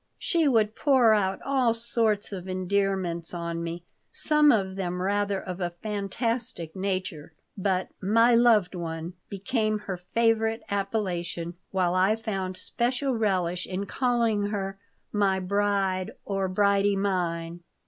She would pour out all sorts of endearments on me, some of them rather of a fantastic nature, but "my loved one" became her favorite appellation, while I found special relish in calling her "my bride" or "bridie mine."